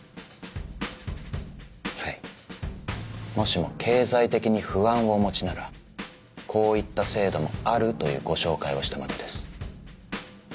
はいもしも経済的に不安をお持ちならこういった制度もあるというご紹介をしたまでです。